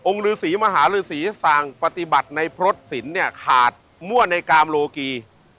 ฤษีมหาฤษีสั่งปฏิบัติในพรสศิลป์เนี่ยขาดมั่วในกามโลกี